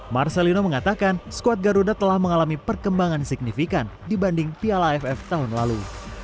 marcelino mengatakan skuad garuda telah mengalami perkembangan signifikan dibanding piala aff tahun lalu